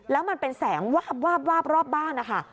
แล้วมันเป็นแสงวาบรอบบ้าน